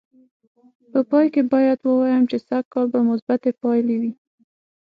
په پای کې باید ووایم چې سږ کال به مثبتې پایلې وې.